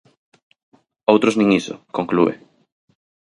Outros nin iso, conclúe.